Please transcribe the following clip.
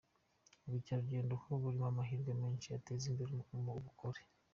Ubukerarugendo ngo burimo amahirwe menshi yateza imbere ubukora.